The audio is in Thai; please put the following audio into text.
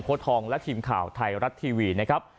ทองและทีมข่าวไทยรัฐทีวีนะครับ